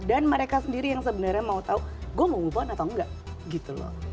dan mereka sendiri yang sebenarnya mau tahu gue mau move on atau enggak gitu loh